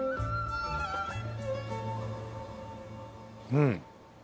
うん。